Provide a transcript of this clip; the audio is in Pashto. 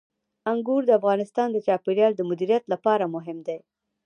انګور د افغانستان د چاپیریال د مدیریت لپاره مهم دي.